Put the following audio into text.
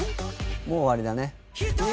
「もう終わりだね」